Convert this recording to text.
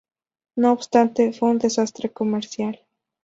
No obstante, fue un desastre comercial.